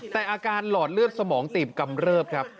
แต่อาการหลอดเลือดสมองตีบกำเริบครับ